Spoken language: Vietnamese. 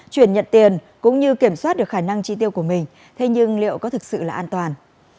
chuyển nhận tiền cũng như kiểm soát được khả năng chi tiêu của mình thế nhưng liệu có thực sự là an toàn